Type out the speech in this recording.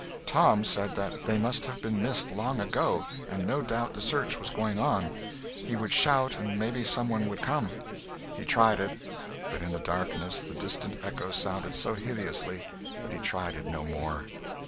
Tom said that they must have been missed long ago, and no doubt the search was going on. He would shout and maybe some one would come. He tried it; but in the darkness the distant echoes sounded so hideously that he tried it no more.